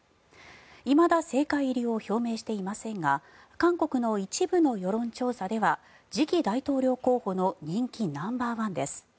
いまだ政界入りを表明していませんが韓国の一部の世論調査では次期大統領候補の人気ナンバーワンです。